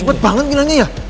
cepet banget bilangnya ya